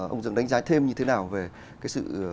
ông dương đánh giá thêm như thế nào về cái sự